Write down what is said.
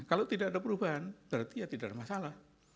kalau tidak ada perubahan berarti ya tidak ada masalah